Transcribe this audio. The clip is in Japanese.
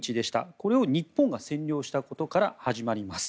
これを日本が占領したことから始まります。